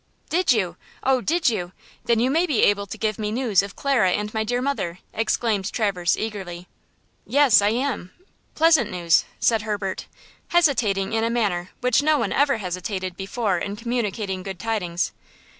"Did you? Oh, did you? Then you may be able to give me news of Clara and my dear mother," exclaimed Traverse, eagerly. "Yes, I am–pleasant news," said Herbert, hesitating in a manner which no one ever hesitated before in communicating good tidings.